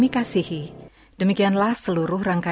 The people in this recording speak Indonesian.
atau ke mudah mutuced lu trustworthy god